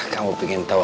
kamu pengen tau aja